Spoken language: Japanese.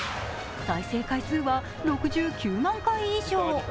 再生回数は６９万回以上。